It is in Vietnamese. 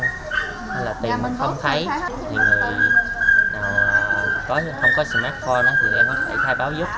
hay là tìm mà không thấy thì người nào không có smartphone thì tụi em có thể khai báo giúp